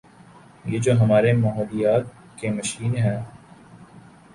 یہ جو ہمارے ماحولیات کے مشیر ہیں۔